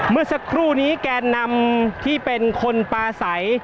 เมื่อสักครู่นี้แกนนำที่เป็นคนปลาใส